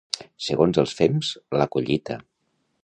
Segons els fems, la collita.